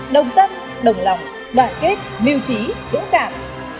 đoàn kết miêu trí dũng cảm